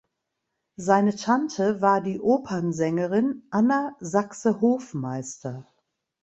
Seine Tante war die Opernsängerin Anna Sachse-Hofmeister.